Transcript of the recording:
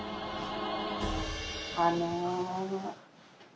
あの。